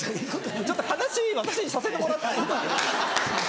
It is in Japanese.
ちょっと話私にさせてもらって。